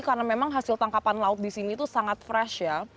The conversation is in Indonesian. karena memang hasil tangkapan laut di sini itu sangat fresh ya